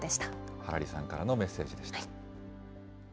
ハラリさんからのメッセージでした。